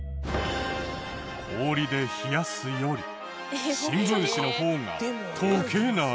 氷で冷やすより新聞紙の方が溶けない？